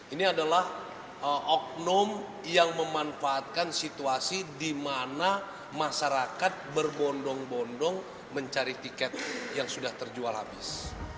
ini adalah oknum yang memanfaatkan situasi di mana masyarakat berbondong bondong mencari tiket yang sudah terjual habis